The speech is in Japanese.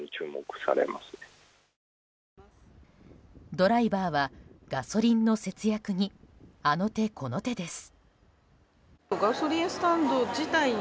ドライバーはガソリンの節約にあの手この手です。